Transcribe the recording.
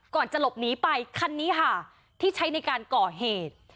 ก่อนจะหลบหนีไปคันนี้ค่ะที่ใช้ในการก่อเหตุ